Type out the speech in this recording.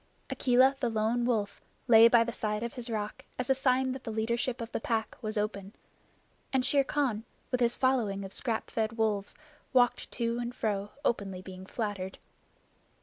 Akela the Lone Wolf lay by the side of his rock as a sign that the leadership of the Pack was open, and Shere Khan with his following of scrap fed wolves walked to and fro openly being flattered.